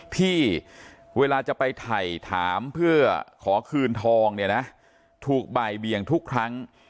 ที่เวลาจะไปถ่ายถามเพื่อขอคืนทองเนี่ยนะถูกบ่ายเบียงทุกครั้ง